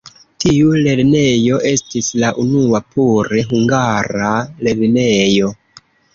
Tiu lernejo estis la unua pure hungara lernejo.